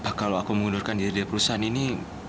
ah kalau aku mengundurkan diri dari perusahaan ini